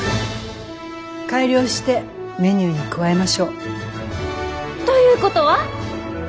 改良してメニューに加えましょう。ということは？